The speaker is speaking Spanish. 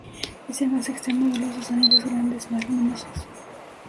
Es el más externo de los dos anillos grandes, más luminosos.